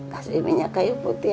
kasih minyak kayu putih